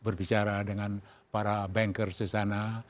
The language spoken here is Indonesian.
berbicara dengan para bankers di sana